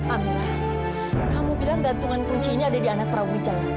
amira kamu bilang gandungan kunci ini ada di anak prabu wijaya